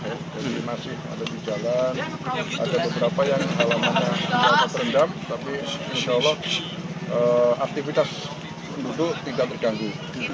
jadi masih ada di jalan ada beberapa yang alamannya terendam tapi insya allah aktivitas penduduk tidak terganggu